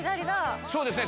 そうですね。